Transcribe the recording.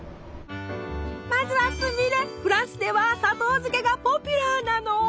まずはフランスでは砂糖漬けがポピュラーなの。